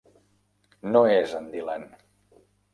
No és en Dylan!